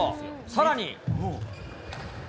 さらに。